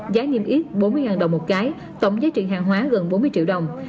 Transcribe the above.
giá niêm yết bốn mươi đồng một cái tổng giá trị hàng hóa gần bốn mươi triệu đồng